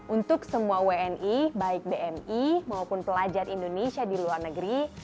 untuk semua wni baik bmi maupun pelajar indonesia di luar negeri